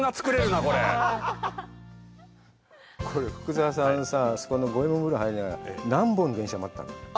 これ、福澤さんさ、あそこの五右衛門風呂に入るの、何本電車待ったの？